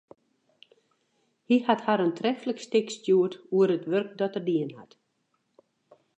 Hy hat har in treflik stik stjoerd oer it wurk dat er dien hat.